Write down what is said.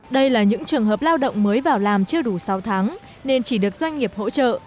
đây là những trường hợp lao động mới vào làm chưa đủ sáu tháng nên chỉ được doanh nghiệp hỗ trợ